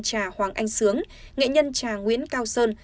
trà hoàng anh sướng nghệ nhân trà nguyễn cao sơn